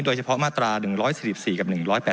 โดยเฉพาะมาตรา๑๔๔กับ๑๘๘